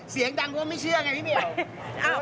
เสียงดังเพราะว่าไม่เชื่อไงฟี้เจียว